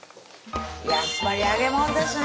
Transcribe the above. やっぱり揚げもんですね